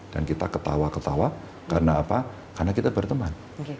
dan kita ketawa ketawa karena apa karena kita berteman